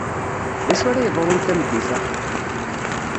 D acu ara yeḍrun tameddit-a?